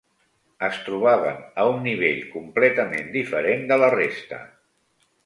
Es trobaven a un nivell completament diferent de la resta